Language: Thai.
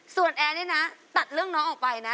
ส่วนแอร์นี่นะตัดเรื่องน้องออกไปนะ